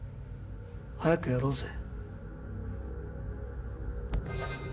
早くやろうぜ。